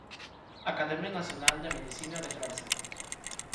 Academia Nacional de Medicina de Francia